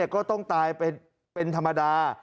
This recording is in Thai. ก็ต้องตายเป็นธรรมดา